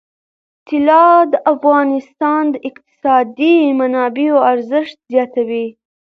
طلا د افغانستان د اقتصادي منابعو ارزښت زیاتوي.